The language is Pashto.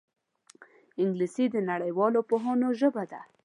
انګلیسي د نړیوالو پوهانو ژبه ده